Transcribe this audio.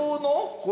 これ。